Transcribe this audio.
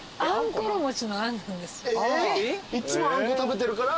いっつもあんこ食べてるから？